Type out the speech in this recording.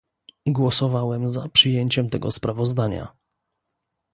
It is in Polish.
Głosowałem za przyjęciem tego sprawozdania